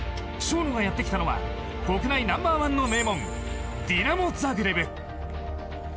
ＳＨＯＮＯがやってきたのは国内ナンバー１の名門ディナモ・ザグレブ。